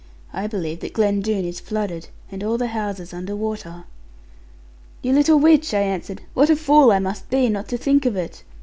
I believe that Glen Doone is flooded, and all the houses under water.' 'You little witch,' I answered; 'what a fool I must be not to think of it!